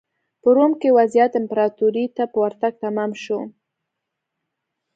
په روم کې وضعیت امپراتورۍ ته په ورتګ تمام شو.